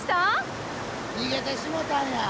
逃げてしもたんや。